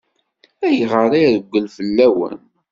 Ayɣer i ireggel fell-awen?